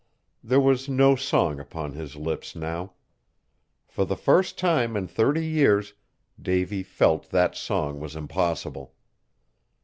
There was no song upon his lips now. For the first time in thirty years, Davy felt that song was impossible.